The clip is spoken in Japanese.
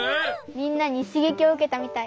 みんなにしげきをうけたみたい。